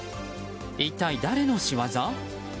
一体、誰の仕業？